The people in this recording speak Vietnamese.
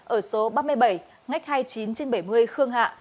ở số ba mươi bảy ngách hai mươi chín trên bảy mươi khương hạ